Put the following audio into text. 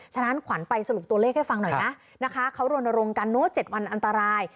ฉะนั้นขวัญไปสรุปตัวเลขให้ฟังหน่อยนะนะคะเขารณรงค์กัน๗วันอันตราย